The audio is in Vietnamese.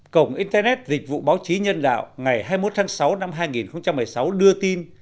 cổng internet dịch vụ báo chí nhân đạo ngày hai mươi một tháng sáu năm hai nghìn một mươi sáu đưa tin